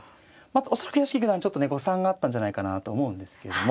恐らく屋敷九段ちょっとね誤算があったんじゃないかなと思うんですけども。